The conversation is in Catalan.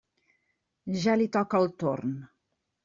Ja li toca el torn.